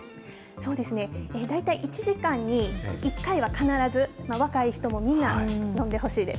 そうですね、大体、１時間に１回は必ず、若い人も皆、飲んでほしいです。